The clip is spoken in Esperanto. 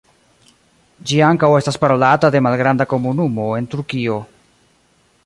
Ĝi ankaŭ estas parolata de malgranda komunumo en Turkio.